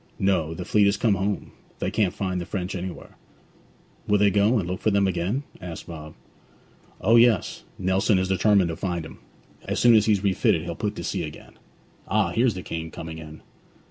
'No. The fleet is come home; they can't find the French anywhere.' 'Will they go and look for them again?' asked Bob. 'O yes. Nelson is determined to find 'em. As soon as he's refitted he'll put to sea again. Ah, here's the King coming in.'